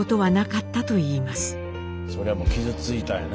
そりゃもう傷ついたんやな